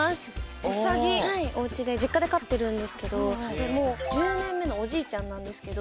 おうちで実家で飼ってるんですけどもう１０年目のおじいちゃんなんですけど。